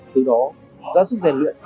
từ đó giá sức rèn luyện